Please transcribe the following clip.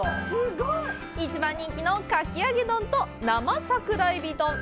一番人気のかき揚げ丼と、生桜えび丼。